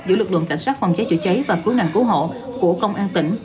giữa lực lượng cảnh sát phòng cháy chữa cháy và cứu nạn cứu hộ của công an tỉnh